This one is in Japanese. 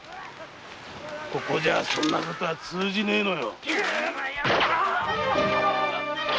ここじゃそんなことは通じねぇのよ